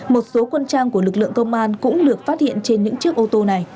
một số quân trang của lực lượng công an cũng được phát hiện trên những chiếc ô tô này